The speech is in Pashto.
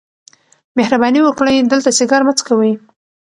مهرباني وکړئ دلته سیګار مه څکوئ.